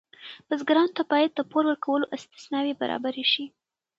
بزګرانو ته باید د پور ورکولو اسانتیاوې برابرې شي.